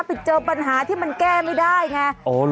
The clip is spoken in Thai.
ไปเจอปัญหาที่มันแก้ไม่ได้ไงโอ้โหเหรอ